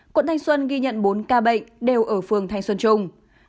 quận thanh xuân ghi nhận bốn ca bệnh đều ở phường thanh xuân trung